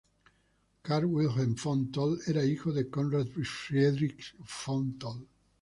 Karl Wilhelm von Toll era hijo de Conrad Friedrich von Toll.